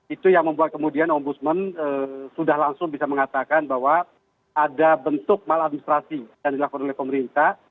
itu yang membuat kemudian ombudsman sudah langsung bisa mengatakan bahwa ada bentuk maladministrasi yang dilakukan oleh pemerintah